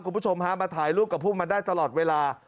คุณผู้ชมฮะมาถ่ายรูปกับพวกมันได้ตลอดเวลา